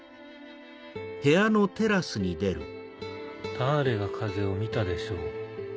「誰が風を見たでしょう」